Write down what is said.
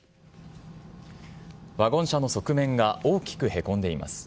ワゴン車の側面が大きくへこんでいます。